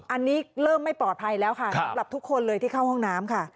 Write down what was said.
อันนี้เริ่มไม่ปลอดภัยแล้วค่ะสำหรับทุกคนเลยที่เข้าห้องน้ำค่ะ